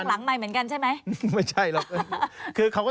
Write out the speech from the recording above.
ตรงหลังใหม่เหมือนกันใช่ไหม